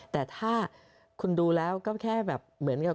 แต่ถ้าคุณดูแล้วก็แค่แบบเหมือนกับ